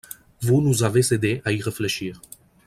Vous nous avez aidés à y réfléchir.